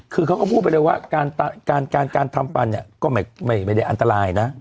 คือเขาก็พูดไปเลยว่าการทำฟันเนี่ยก็ไม่ได้อันตรายนะ